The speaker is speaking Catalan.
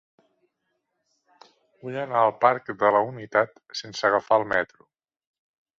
Vull anar al parc de la Unitat sense agafar el metro.